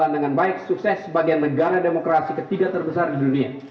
dan berjalan dengan baik sukses sebagai negara demokrasi ketiga terbesar di dunia